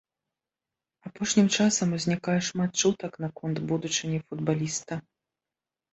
Апошнім часам узнікае шмат чутак наконт будучыні футбаліста.